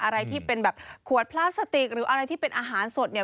อะไรที่เป็นแบบขวดพลาสติกหรืออะไรที่เป็นอาหารสดเนี่ย